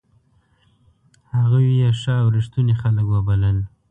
هغوی یې ښه او ریښتوني خلک وبلل.